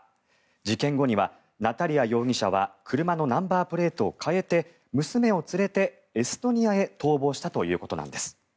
事件後にはナタリア容疑者は車のナンバープレートを変えて娘を連れてエストニアへ逃亡したということなんです。